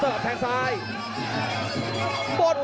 โอ้โหต่อกับทีมซ้ายโอ้โหโอ้โหโอ้โห